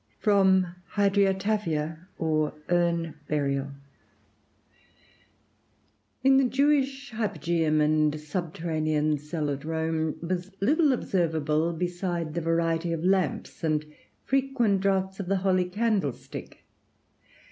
FROM 'HYDRIOTAPHIA, OR URN BURIAL' In the Jewish Hypogæum and subterranean cell at Rome was little observable beside the variety of lamps and frequent draughts of the holy candlestick.